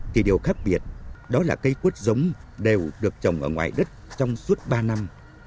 thì điều khác biệt đó là cây quất giống đều được trồng ở ngoài đất trong suốt ba năm